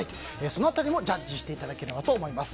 その辺りもジャッジしていただければと思います。